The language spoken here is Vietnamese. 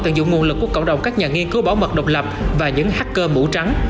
tận dụng nguồn lực của cộng đồng các nhà nghiên cứu bảo mật độc lập và những hacker mũ trắng